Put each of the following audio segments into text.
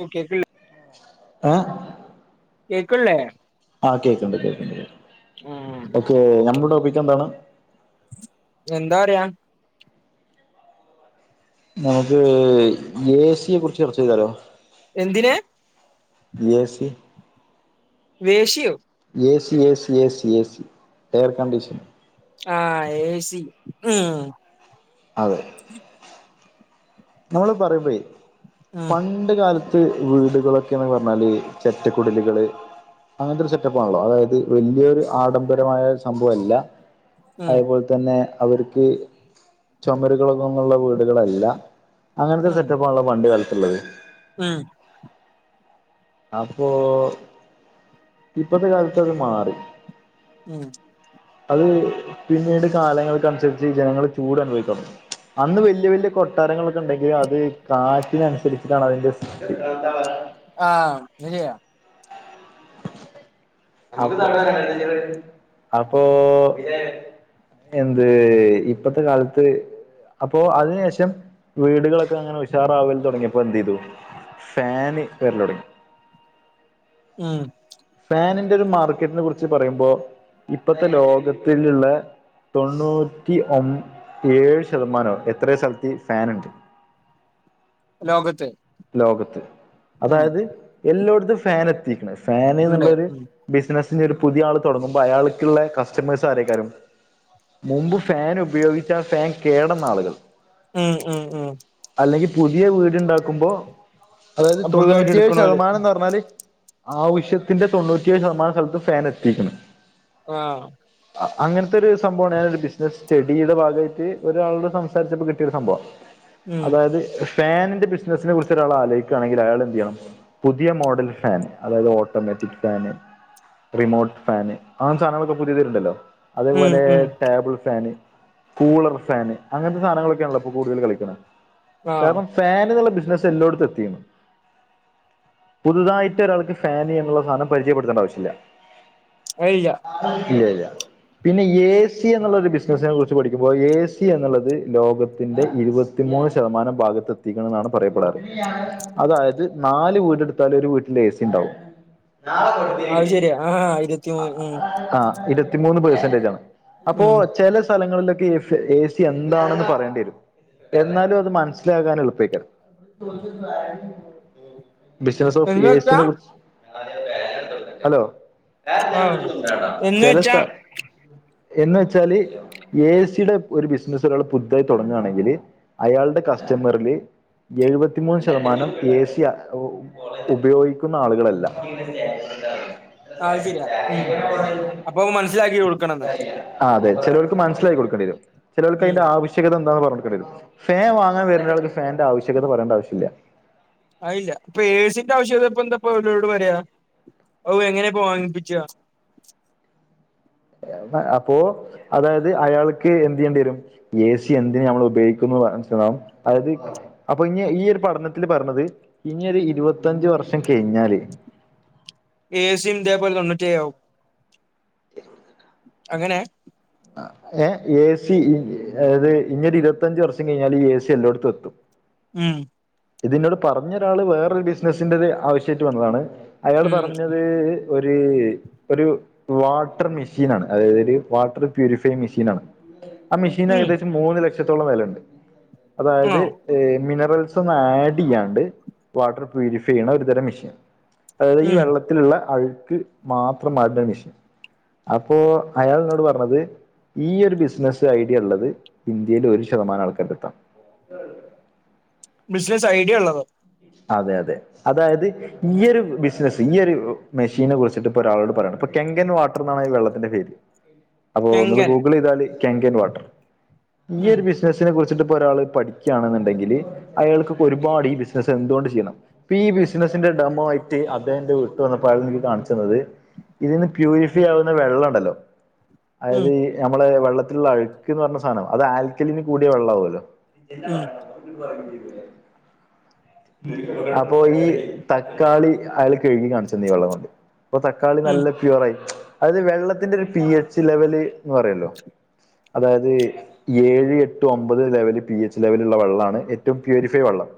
ഓ കേക്ക ആഹ് കേക്കനില്ലേ ആ കേക്കുണ്ട് കേക്കണ്ട് കേ ഉം ഓക്കേ ഞമ്മുടെ ടോപ്പിക്ക് എന്താണ്? എന്താ പർയാ നമുക്ക് എ സിയെ കുറിച്ച് ചർച്ച ചെയ്താലോ? എന്തിനെ? എ സി യെ വേശിയോ A C A C A C A C air condition. ആഹ് എ സി ഉം അതെ നമ്മള് പറയ്മ്പഴേ പ ഉം ണ്ട് കാലത്ത് വീടുകളൊക്കെന്ന് പർഞ്ഞാല് ചെറ്റക്കുടിലുകള് അങ്ങൻത്തൊര് സെറ്റപ്പാണല്ലോ അതായത് വലിയൊരു ആഡംബരമായ സംഭവല്ല. ഉം അതുപോലെ തന്നെ അവർക്ക് ചുമരുകളൊ ഇതൊന്നുള്ള വീടുകളല്ല. അങ്ങൻത്തൊര് ഉം സെറ്റപ്പാണല്ലോ പണ്ട് കാലത്ത് ള്ളത്. ഉം അപ്പോ ഇപ്പത്തെ കാലത്ത് അത് മാറി. ഉം അത് പിന്നീട് കാലങ്ങൾക്കൻസരിച്ച് ജനങ്ങള് ചൂട് അനുഭവിക്കാൻ തൊടങ്ങി. അന്ന് വല്യ വല്യ കൊട്ടാരങ്ങളൊക്കെ ഉണ്ടെങ്കിൽ അത് കാറ്റിനനുസരിച്ചിട്ടാണ് അതിൻ്റെ ആഹ് അഹ്ശരിയാ. അപ്പൊ [unintelligible] എന്ത് ഇപ്പത്തെ കാലത്ത് അപ്പൊ അതിന് ശേഷം വീടുകളൊക്കെ അങ്ങനെ ഉഷാറാവൽ തുടങ്ങിയപ്പോ എന്ത് ചെയ്തു ഫാന് വെരലൊടങ്ങി. ഉം ഫാനിന്റെ ഒരു മാർക്കറ്റിനെ കുറിച്ച് പറയുമ്പോ ഇപ്പത്തെ ലോകത്തില്ള്ളെ തൊണ്ണൂറ്റി ഒമ് ഏഴ് ശതമാനോ എത്രയൊ സ്ഥലത്ത് ഈ ഫാന്ണ്ട്. ലോകത്ത് ലോകത്ത്, ഉം അതായത് എല്ലോട്ത്തും ഫാൻ എത്തീക്ക്ണ്. ഫാന് ഉണ്ട് ന്നുള്ളൊര് ഉം ബിസിനസ്സ് ഇഞ്ഞ് ഒരു പുതിയ ആൾ തുടങ്ങുമ്പോ അയാൾക്ക്ള്ളെ കസ്റ്റമേഴ്സും ആരേക്കാരം മുമ്പ് ഫാൻ ഉപയോഗിച്ച ആ ഫാൻ കേടന്നാളുകൾ ഉം ഉം ഉം അല്ലെങ്കി പുതിയ വീട്ണ്ടാക്കുമ്പോ അതായത് പുതുതായിട്ട് തൊണ്ണൂറ്റിയേഴ് എടുക്കണോര് ശതമാനംന്ന് പർഞ്ഞാല് ആവശ്യത്തിന്റെ തൊണ്ണൂറ്റിയേഴ് ശതമാന സ്ഥലത്തും ഫാൻ എത്തീക്ണ്. ആഹ്. അ അങ്ങനത്തെ ഒരു സംഭവാണ് ഞാനൊരു ബിസിനസ്സ് സ്റ്റഡിയുടെ ഭാഗായിട്ട് ഒരാളോട് സംസാരിച്ചപ്പോ കിട്ടിയൊരു സംഭവാ. ഉം അതായത് ഫാനിന്റെ ബിസിനസ്സിനെ കുറിച്ച് ഒരാൾ ആലോയിക്കാണെങ്കിൽ അയാൾ എന്തെയ്യണം. പുതിയ മോഡൽ ഫാന് അതായത് ഓട്ടോമാറ്റിക് ഫാന് റിമോട്ട് ഫാന് അങ്ങൻത്ത സാധനങ്ങളൊക്കെ പുത്യേത് വര്ണ്ടല്ലോ. ഉം അതേപോലെ ഉം ടേബിൾ ഫാന് കൂളർ ഫാന് അങ്ങനത്തെ സാനങ്ങളൊക്കേണല്ലോ ഇപ്പൊ കൂടുതൽ കളിക്ക്ണെ. ആഹ് കാരണം ഫാന് ന്ന്ളള ബിസ് നസ് എല്ലോട്ത്തു എത്തീണ്. പുതുതായിട്ട് ഒരാൾക്ക് ഫാന് എന്നുള്ള സാനം പരിചയപ്പെടുത്തണ്ട ആവശ്യല്ല. അയ് ഇല്ല്യ. ഇല്ല്യ ഇല്ല്യ. പിന്നെ എ സി എന്നുള്ള ഒരു ബിസിനസിനെ കുറിച്ച് പഠിക്കുമ്പോ എ സി എന്നുള്ളത് ലോകത്തിന്റെ ഇരുപ ത്തിമൂന്ന് ശതമാനം ഭാഗത്ത് എത്തിക്കണം എന്നാണ് പറയപ്പെടാറ്. അതായത് നാല് വീടെടുത്താല് ഒരു വീട്ടില് എ സി ഉണ്ടാവും [inaudible] അത് ശരിയാ. ആഹ് [unintelligible] ഉം ആ ഇരുപത്തിമൂന്ന് പേർസെന്റേജ് ആണ് അപ്പോ ഉം ചെല സ്ഥലങ്ങളിലൊക്കെ എ സി എന്താണെന്ന് പറയേണ്ടി വരും എന്നാലും അത് മനസ്സിലാകാൻ എളുപ്പയ്ക്കും ബിസിനസ് ഓഫ് എന്ന് എ സി വെച്ചാ നെ കുറിച്ച് ഹലോ ആഹ് എന്ന് ചെല വെച്ചാ സ്ഥല എന്ന് വെച്ചാല് എ സി യുടെ ഒരു ബിസിനസ്സ് ഒരാൾ പുതുതായി തുടങ്ങുകയാണെങ്കില് അയാളുടെ കസ്റ്റമറില് എഴുപത്തിമൂന്ന് ശതമാനം ഏ സി ഉപയോഗിക്കുന്ന ആളുകളല്ല [inaudible] അത് ശരിയാ ഉം അപ്പൊ മനസ്സിലാക്കി കൊടുക്കണംന്ന് ആഹ് അതെ ചിലവർക്ക് മനസ്സിലാക്കി കൊടുക്കേണ്ടി വരും, ചിലവർക്ക് ഉം അതിന്റെ ആവശ്യം ശ്യകത എന്താന്ന് പറഞ്ഞ് കൊട്ക്കണ്ടി വരും. ഫാൻ വാങ്ങാൻ വരുന്ന ഒരാൾക്ക് ഫാനിൻ്റെ ആവശ്യകത പറേണ്ട ആവശ്യല്ല അയില്ല. ഇപ്പ എ സി ന്റെ ആവശ്യകത ഇപ്പ എന്താപ്പ അവരോട് പറയാ? അവരെ എങ്ങനെപ്പോ വാങ്ങിപ്പിക്കുക അപ്പോ അതായത് അയാൾക്ക് എന്ത് ചെയ്യേണ്ടി വരും എ സി എന്തിന് നമ്മൾ ഉപയോഗിക്കുന്നു [unintelligible] അതായത് അപ്പൊ ഇനി ഈ ഒരു പഠനത്തില് പറഞ്ഞത് ഇനിയൊരു ഇരുപത്തഞ്ച് വർഷം കഴിഞ്ഞാല് ഏ സി യും ഇതെ പോലെ തൊന്നൂറ്റിയേഴാവും [unintelligible] അങ്ങനെ ങേ എ സി അതായത് ഇനിയൊരു ഇരുപത്തഞ്ച് വർഷം കഴിഞ്ഞാല് ഈ എ സി എല്ലോടത്തും എത്തും ത്തും ഉം ഇത് എന്നോട് പറഞ്ഞൊരാള് വേറൊരു ബിസ്നസിന്റെ ഒരു ആവശ്യായിട്ടു വന്നതാണ്, അയാൾ ഉം പറഞ്ഞത് ഒരു ഒരു വാട്ടർ മെഷീനാണ്, അതായത് ഒരു വാട്ടർ പ്യൂരിഫൈയിംഗ് മെഷീനാണ് ആ മെഷീന് ഉം ഏകദേശം മൂന്ന് ലക്ഷത്തോളം വിലയുണ്ട്. ആ അതായത് മിനറൽസ് ഒന്നും ആഡ് ചെയ്യാണ്ട് വാട്ടർ പ്യൂരിഫൈ ചെയ്യണ ഒരു തരം മെഷീൻ. അതായത് ഈ ഉം വെള്ള ത്തിലുള്ള അഴുക്ക് മാത്രം മാറ്റണ മെഷീൻ. അപ്പോ അയാൾ എന്നോട് പറഞ്ഞത് ഈ ഒരു ബിസിനസ് ഐഡിയ ഉള്ളത് ഇന്ത്യയിൽ ഒരു ശതമാനം ആൾക്കാരുടെ അടുത്താണ്. [unintelligible] ബിസിനസ് ഐഡിയ ഉള്ളതോ? അതെ അതെ അതായത് ഈ ഒരു ബിസിനസ്സ്, ഈ ഒരു മെഷീനെ കുറിച്ചിട്ട് ഇപ്പ ഒരാളോട് പറയണ്, ഇപ്പൊ കെങ്കൻ വാട്ടർ എന്നാണ് ഈ വെള്ളത്തിന്റെ പേര് അപ്പോ ഇങ്ങള് കെങ്കൻ ഗൂഗിള് ചെയ്താല് കെങ്കൻ വാട്ടർ. ഈ ഉം ഒരു ബിസി- നസ്സിനെ കുറിച്ചിട്ട് ഇപ്പൊ ഒരാള് പഠിക്കുകയാണെന്നുണ്ടെങ്കില് അയാൾക്ക് ഇപ്പൊ ഒരുപാട് ഈ ബിസി നസ്സ് എന്തുകൊണ്ട് ചെയ്യണം? ഇപ്പൊ ഈ ബിസിനസ്സിന്റെ ഡമോ ആയിട്ട് അദ്ദേഹം എന്റെ വീട്ടിൽ വന്നപ്പോ അയാൾ എനിക്ക് കാണിച്ച് തന്നത് ഇതീന്ന് പ്യൂരിഫൈ ആവുന്ന വെള്ളം ണ്ടല്ലോ ഉം അതായത് ഈ നമ്മളെ വെള്ളത്തിലുള്ള അഴുക്ക് എന്ന് പറയണ സാധനം, അത് ആൽക്കലി കൂടിയ വെള്ളമാവുമല്ലോ ഉം [inaudible] അപ്പൊ ഈ തക്കാളി അയാള് കഴുകി കാണിച്ചു തന്ന് ഈ വെള്ളം കൊണ്ട് അപ്പൊ തക്കാളി ഉം നല്ല പ്യുവർ ആയി. അതായത് വെള്ളത്തിന്റെ ഒരു പി എച്ച് ലെവല് ന്ന് പറയല്ലോ അതായത് ഏഴ് എട്ട് ഒമ്പത് ലെവല് പി എച്ച് ലെവലുള്ള വെള്ളമാണ് ഏറ്റവും പ്യൂരിഫൈ വെള്ളം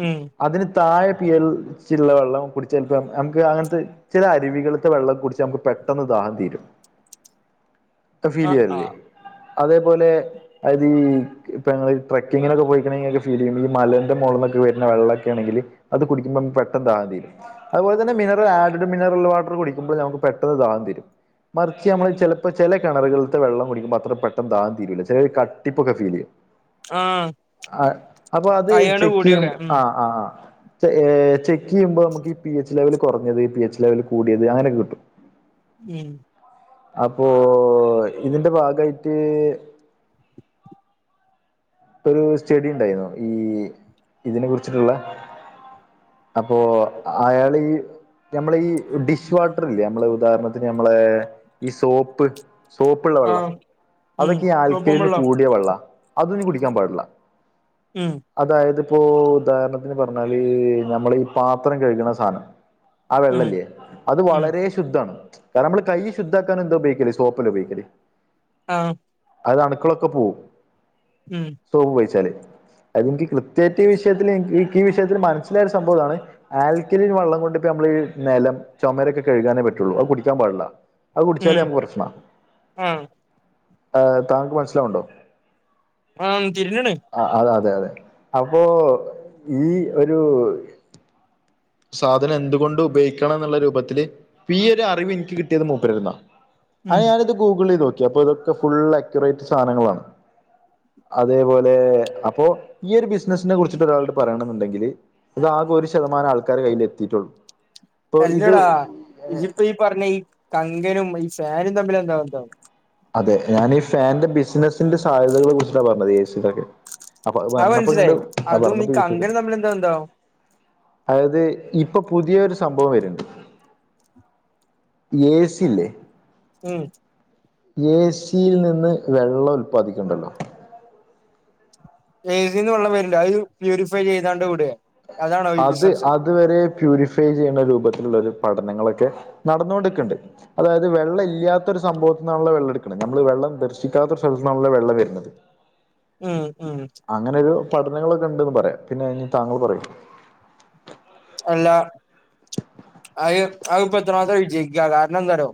ഉം അതിന് താഴെ പിയൽ ചെള്ള വെള്ളം കുടിച്ചല്പ്പ നമുക്ക് അങ്ങനത്തെ ചില അരുവികളത്തെ വെള്ളം കുടിച്ച നമുക്ക് പെട്ടെന്ന് താഹം തീരും ഫീല് ആ ആ ചെയ്യാറില്ലേ അതേപോലെ അയ്തി ഇ ട്രക്ക്കിം നോക്കെപോയിക്കണെെങ്കി ഇങ്ങക്ക് ഫീൽ ചെയ്യുംഈ മലന്റെ മുകൾന്നൊക്കെ വര് നേ- ന്ന വെ ള്ളെ െക്കണെങ്കിൽ അത് കുടിക്ക്പോ പെട്ടന് താഹം തീരും അതുപോലെ തന്നെ മിനറൽ ആഡ് മിനറൽ വാട്ടർ കുടിക്കുമ്പോ നമു പെട്ടന്ന് താഹം തീരും മറിച്ച് നമ്മള് ചിലപ്പോ ചില കിണറുകളില വെള്ളം കുടിക്കുമ്പോ അത്ര പെട്ടന് ധാഹം തീരു ല ചില കട്ടിപ്പക്കെ ഫീൽ ചെയ്യും ആ ആ അപ്പൊ അത് അയേണ് ചെക്ക് ചെയ്യും കൂടിയൊക്കെ ഉം ആ ആ ചെക്ക് ചെയ്യുമ്പോ നമുക്ക്ഈ പി എച്ച് ലെവൽ കുറഞ്ഞത് പി എച്ച് ലെവൽ കൂടിയത് അങ്ങനൊക്കെ കിട്ടും ഉം ഇം അപ്പോൊ ഇതിന്റെ ഭാഗയിട്ട് ഇപ്പ ഒരു സ്റ്റഡി ണ്ടായിരുന്നു ഈ ഇതിനെ കുറിച്ചിട്ടുള്ള അപ്പോ അയാൾ ഈ നമ്മള ഈ ഡിഷ് വാട്ടർ ഇല്ലേ നമ്മളെ ഉദാഹരണത്തിന് ഞമ്മളെ ഈ സോപ്പ് സോപ്പള്ള ആ വെള്ളം ഉം അതൊക്കെ ഈ സോപ്പും ആൽക്കരിന് വെള്ളം കൂടിയ വെള്ളാ- അത് നീ കുടിക്കാൻ പാടില്ല ഉം അതായത്പ്പോ ഉദാഹരണത്തിന് പറഞ്ഞാൽ നമ്മള ഈ പാത്രം കഴുകുന്ന സാധനം ആ ഉം വെള്ളല്ലേ അത് ഉം വളരെ ശുദ്ധമാണ് കാരണം നമ്മള് കൈ ശുദ്ധാക്കാൻ എന്താ ഉപയോഗേ സോപ്പലെ ഉപോഗിക്കല് ആഹ് അത്അണുക്കളൊക്കെ പോവും ഉം സോപ്പ് വഴിച്ചാല് അതെനിക്ക് കൃത്യമായിട്ടഈ വിഷയത്തിൽ ഈ വിഷയത്തിൽ മനസ്സിലായ സംഭവം ഇതാണ് ആൽക്കലിൻ വള്ളം കൊണ്ടിപ്പ നമ്മൾഈ നിലം ചുമരൊക്കെ കഴുകാനേ പറ്റുള്ളൂ അത് കുടിക്കാൻ പാടില്ല അത് കുടിച്ചാല ഉം ഞമക്ക് പ്രശ്നമാണ് ആ താങ്കക്ക് മനസ്സിലാവണ്ടോ ആഹ് തിരിഞ്ഞ് ക്കണ് ആ അത അതെ അതെ അപ്പോ ഈ ഒരു സാധനം എന്തുകൊണ്ട് ഉപയോഗിക്കണം എന്നുള്ള രൂപത്തില് പ്പീയൊരു ഒരു അറിവ് എനിക്ക് കിട്ടിയത് മൂപ്പരുന്നാ ആ ഉം ഞാനിത് ഗൂഗിൾ ചെയ് നോക്കി അപ്പൊ ഇതൊക്കെ ഫുൾ അക്യുററ്റ് സാധനങ്ങളാണ് അതേപോലെ അപ്പൊ ഈ ഒരു ബിസിനസിനെ കുറിച്ചിട്ട് ഒരാളട് പറയണെന്നുണ്ടെങ്കില് ഇതാകെ ഒരു ശതമാനം ആൾക്കാരാകയ്യിൽ എത്തിയിട്ടുള്ളൂ ഇപ്പൊ ഇത് എല്ലേടാ ഇതിപ്പോ ഈ പറഞ്ഞ ഈ കങ്കനും ഈ ഫാനും തമ്മിൽ എന്താ ബന്ധം അതെ ഞാൻ ഈ ഫാൻന്റെ ബിസിനസ്സിന്റെ സാധ്യതകെ കുറിച്ചട്ടാണ് പറഞ്ഞത് എ സയിലൊക്കെ അപ്പൊ അത് വരണപ്പ കണ്ട് മനസ്സിലായി അതും ഈ ഭരണപ്പ വിശ്സ കങ്കനും തമ്മിൽ എന്താ ബന്ധാവും അതായത് ഇപ്പൊ പുതിയ ഒരു സംഭവം വരുണ്ട് യേ സിലെ ഉം എ സിയിൽ നിന്ന് വെള്ളം ഉൽപാദിക്കണ്ടല്ലോ ഏ സിന്ന് വെള്ളം വരില്ല അത് പ്യൂരിഫൈ ചെയ്താണ്ട് വിടേ അത് അതുവരെ പ്യൂരിഫൈ ചെയ്യുന്ന രൂപത്തിലുള്ള ഒരു പഠനങ്ങളൊക്കെ നടനോണ്ട് ക്ക് അതായത് വെള്ളം ഇല്ലാത്തരു സംഭവത്തി നിന്നാണോ വെള്ളം എടുക്കണ നമ്മള് വെള്ളം ദർശിക്കാത്തൊ ഒരു സ്ഥലത്ത നിന്നാണല്ലോ വെള്ള വരുന്നത് ഉം ഉം അങ്ങനെൊരു പഠനങ്ങളൊക്കെ ഉണ്ടന്ന് പറയാം പിന്നെ താങ്കൾ പറയും അല്ല അഹ് അഹ്പ്പ എത്രമാത്രം വിജയിക്ക കാരണം എന്താറ്യോ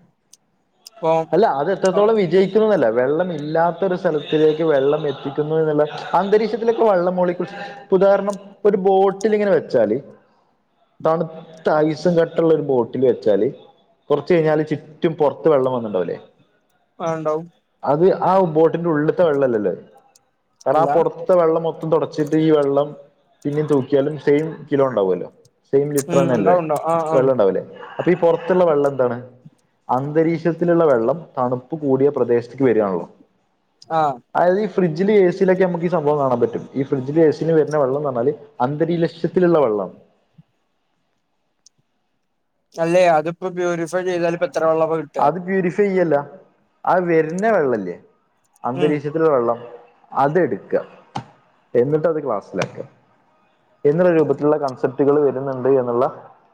അല്ല അത് എത്രത്തോളം വിജയി ക്കുന്നല്ല വെള്ളം ഇല്ലാത്ത ഒരു സ്ഥലത്തിലേക്ക് വെള്ളം എത്തിക്കുന്നു എന്നുള്ള അന്തരീക്ഷത്തിലൊക്കെ വെള്ളം മോളീ ഉദാഹരണം ഒരു ബോട്ടിലിങ്ങനെ വെച്ചാല് തണുത്ത ഐസും കട്ടുള്ള ഒരു ബോട്ടിൽ വെച്ചാല് കുറച്ച് കഴിഞ്ഞാല് ചുറ്റും പൊർത്ത് വെള്ളം വന്നല്ലോലേ ആഹ് ണ്ടാവും അത് ആഹ് ബോട്ടിന്റെ ഉള്ളിത്തെ വെള്ളല്ലല്ലേ കര്ന അല്ല ആഹ് പൊറ ത്തെ വെള്ളം മൊത്തം തുടച്ചിട്ട് ഈ വെള്ളം പിന്നും തൂക്കിയാലും സെയിം കിലോ ണ്ടാവോല്ലോ സെയിം ഉം ലിറ്റർന്നല്ലേ ഉണ്ടാവും ഉണ്ടാവും ആഹ് ആഹ് വെള്ളംണ്ടാവല്ലേ അപ്പൊ ഈ പൊർത്തുള്ള വെള്ളം എന്താണ് അന്തരീക്ഷ ത്തില്ള്ള വെള്ളം തണുപ്പ് കൂടിയ പ്രദേശത്ക്ക് വരാണല്ലോ ആഹ് അയത് ഈ ഫിഡ്ജില് എ സി യിലൊക്കെ നമക്ക്ഈ സംഭം കാണാൻ പറ്റു ഈ ഫ്രിഡ്ജില് എ സി ല് വെര്ണ വെള്ളംന്നർഞാല് അന്തരീലക്ഷ്യത്തിലുള്ള വെള്ളം തല്ലെ അതിപ്പോ പ്യൂരിഫൈ ചെയ്താലും ഇപ്പ എത്ര വെള്ളപ അത് പ്യൂരിഫൈ ചെയ്യല്ല ആഹ് വരുന്ന വെള്ളല്ലേ ഉം അന്തരീക്ഷ ത്തിലെ വെള്ളം അതെട്ക്ക എന്നിട്ട് അത് ക്ലാസ്സിലാക്കാ എന്നുള്ള രൂപത്തിലുള്ള കൺസെപ്റ്റുകൾ വരുന്നുണ്ട് എന്നുള്ള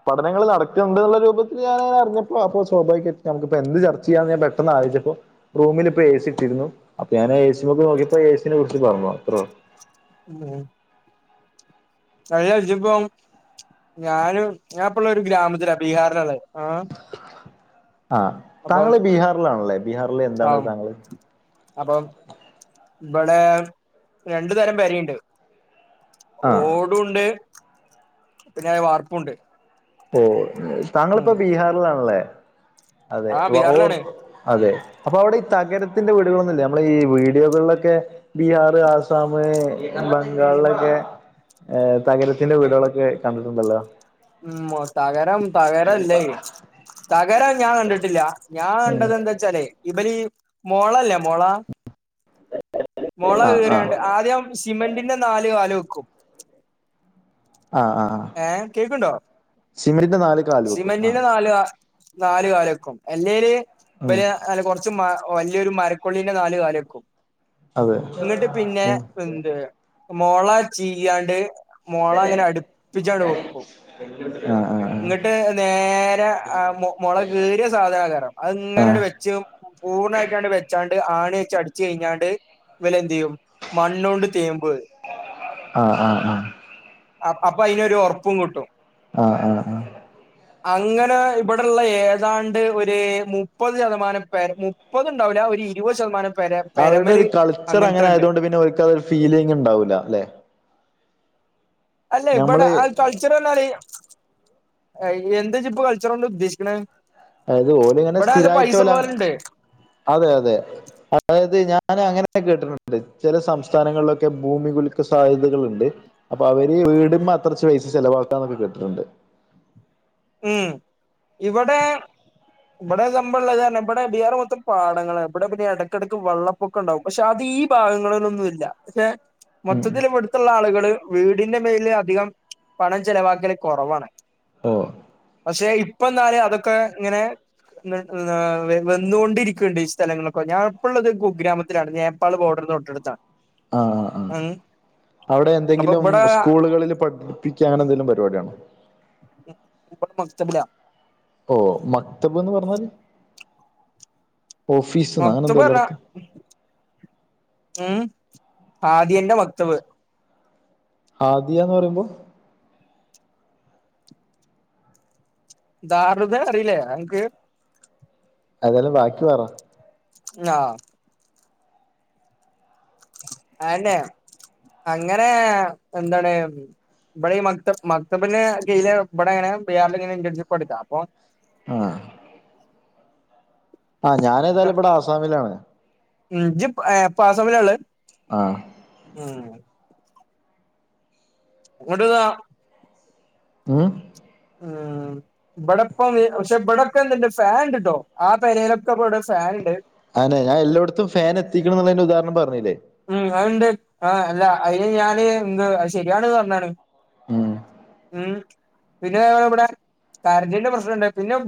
പഠനങ്ങൾ നടക്കുന്നുണ്ടുള്ള രൂപത്തിൽ ഞാന അറിഞ്ഞപ്പോ അപ്പോ സ്വാഭാവികായിട്ട് നമുക്കി എന്ത് ചർ ചെയ്യന്നെ യൻ പെട്ടെന്ന് ആലോയ്ചപ്പോ റൂമിലിപ്പോ എ സി ട്ടിയിരുന്നു അപ്പ ഞന് ആ എ സി മക് നോക്കിയപ്പോ എ സിനെ കുറിച്ച് പറഞ്ഞോ അത്രോ ഉം കഴിഞഴിച്ചപ്പോം ഞാനും ഞാപ്പള്ള ഒരു ഗ്രാമത്തില ബീഹാറിലാള്ളെ ആഹ് ആഹ് അപ്പം താങ്കള് ബീഹാറിലാണല്ലേ ബീഹാറില് എന്താണ് ആഹ് താങ്കള് അപ്പം ഇവിടെ രണ്ടു തരം പെരേണ്ട് ആ ഓടുണ്ട് പിന്നെ വാർപ്പുണ്ട് ഓഹ് താങ്കളിപ്പോ ഉം ബീഹാറിലാണല്ലേ അതെ ആ ഓർ ബീഹാറിലാണ് അതെ അപ്പൊ അവിടെ ഈ തകരത്തിന്റെ വീടുകളൊന്നുംല്ല നമ്മള ഈ വീഡിയോകളിലൊക്കെ ബീഹാർ ആസാം ബംഗാളിലൊക്കെ എഹ് തകരത്തിന്റെ വീടുകളൊക്കെ കണ്ടിട്ടുണ്ടല്ലോ ഉം മൊ തകരം തകരല്ലേ തകരം ഞാൻ കണ്ടിട്ടില്ല ഞാൻ കണ്ടത് എന്താ ചാല് ഇവലീ മോളല്ലേ മൊള മൊള ആ ആ കീറ്യാണ്ട് ആദ്യം സിമെന്റിന്റെ നാല് കാല് വെക്കും ആഹ് ആഹ് ആഹ് ഏഹ് കേക്ണ്ടോ നാല് കാല് വെക്കും ആ സിമെന്റിന്റെ നാല് നാലുകാലക്കും എല്ലേല് ഉം ബെല് അല കൊർ ച്ചുമ്മാ വല്ല്യോരു മരക്കൊള്ളിന്റെ നാല് കാലക്കും അതെ ഇങ്ങിട്ട് പിന്നെ ഉം എന്ത് മോള ചിയ്യാണ്ട് മോള ങ്ങനെ അടു ആഹ് ആഹ് ആഹ് ട്ട് നേരെ ആഹ് മു മുള കീറിയ സാധനക്കാരം അത്ങ്ങനെ ങ്ങട്ട് വെച്ച് പൂർണ്ണായിട്ടാണ്ട് വെച്ചാണ്ട് ആണി വെച്ചടിച്ചു കഴിഞ്ഞാണ്ട് ഇവല് എന്തയ്യും മണ്ണൊണ്ട് തേമ്പ് ആഹ് ആഹ് ആഹ് അപ്പൊ അയിനൊരു ഉറപ്പും കിട്ടും ആഹ് ആഹ് ആഹ് അങ്ങനെ ഇവിടെഉള്ള ഏതാണ്ട് ഒരു മുപ്പത് ശതമാനം പെ മുപ്പതുണ്ടാവില്ല ഒരു ഇരുപത് ശതമാനം പെര അവരുടെ പെരമല് ഒരു കൾച്ചർ അങ്ങനെ അങ്ങനത്തെണ്ട് ആയതുകൊണ്ട് പിന്നെ ഓൽക്ക് അതൊരു ഫീലിംഗ് ഉണ്ടാവൂല്ല അല്ലെ അല്ല ഇവിടെ ഞമ്മള് ആ കൾച്ചർ പറഞ്ഞാല് എന്താജ്ജ്പ്പ കൾച്ചറോണ്ട് ഉദ്ദേശിക്കണ് അത് ഓല് ഇങ്ങനെ സ്ഥിരായിട്ട് അതെ അതെ അതായത് ഞാൻ അങ്ങനെ കേട്ടിട്ടുണ്ട് ചില സംസ്ഥാനങ്ങളിലൊക്കെ ഭൂമി കുലുക്ക സാധ്യതകളുണ്ട് അപ്പൊ അവര് വീടുമ്മത്രച്ച പൈസ ചിലവാക്കാന്നൊക്കെ കേട്ടിട്ടുണ്ട് ഉം ഇവിടെ ഇവിടെ സംഭവന്താ ച്ചാലെ ഇവിടെ ബീയാർ മൊത്തം പാടങ്ങളാ ഇവിടെ പിന്നെ ഇടക്കിടക്ക് വെള്ളം പ്പൊക്കണ്ടാവും പക്ഷെ അത് ഈ ഭാഗങ്ങളിലൊന്നൂല്ല പക്ഷെ ഉം മൊത്തത്തില് ഇവടുത്തുള്ള ആളുകള് വീടിന്റെ മേലില് അധികം പണം ചെലവാക്കല് കുറവാണ് ഓഹ് പക്ഷെ ഇപ്പ ഇന്നാൽ അതൊക്കെ ഇങ്ങനെ ന്ന ഏഹ് വന്നുകൊണ്ടിരിക്കിണിണ്ട് ഈ സ്ഥലങ്ങളൊക്കെ ഞാൻ ഇപ്പോള്ളത് കുഗ്രാമത്തിലാണ് നേപ്പാ പ്പാള് ബോർഡർ തൊട്ടടുത്താണ് ആഹ് ആഹ് ഉം അവിടെ അപ്പൊ എന്തെങ്കിലും ഇവിടെ സ്കൂളുകളിൽ പട് പിച്ചാ അങ്ങനെന്തങ്കിലും പരിപാടിയാണോ മക്തബ് ലാ [unintelligible] ഓഹ് മക്തബ്ന്ന് പറഞ്ഞാല് ഓഫീസ്ന്ന് അങ്ങനെ എന്തൊ മക്തബ് അല്ലെ പറഞ്ഞ അർത്ഥം ഉം ഹാദിയന്റെ മക്തബ് ഹാദിയ ന്ന് പറയുമ്പോ ധാറുതേനെ അറിയില്ലേ അനക്ക് അതെല്ലാം ബാക്കി പറ ആഹ് അയന്നെ അങ്ങനെ എന്താണ് ഇവിടെ ഈ മക്തബ് മക്തബിന്റെ കീഴില് ഇവിടെങ്ങനെ ബിയാളിലിങ്ങനെ കെട്ടി പടുക്കാം ആഹ് ആഹ് ഞാനേതാലും ഇവിടെ ആസാമിലാണ് ഉം ജ്ജ് പ്പൊ ഏ ഹ് പ്പൊ ആസാമിലാ ഉള്ളത് ആഹ് ഉം [inaudible] അങ്ങോട്ട്താ ഉം [inaudible] ഇവിടപ്പം പക്ഷെ ഇവിടൊക്കെ എന്തുണ്ട് ഫാൻ ഉണ്ട്ട്ടോ ആഹ് പെരെയിലൊക്കെ പ്പ വിടെ ഒര് ഫാൻ ഉണ്ട് ആനെ ഞാൻ എല്ലായിടത്തും ഫാൻ എത്തിക്കണം എന്നുള്ളതിന്റെ ഉദാഹരണം പറഞ്ഞില്ലേ ഉം അത്ണ്ട് ആഹ് അല്ല അയിന് ഞാൻ എന്ത് അത് ശരിയാണെന്ന് പറഞ്ഞാണ് ഉം ഉം പിന്നെ അതേപോലെ ഇവിടെ കരണ്ടിന്റെ പ്രശ്നം ഉണ്ട് പിന്നെ ഇബ